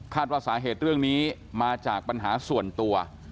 ว่าสาเหตุเรื่องนี้มาจากปัญหาส่วนตัว